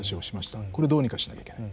これどうにかしなきゃいけない。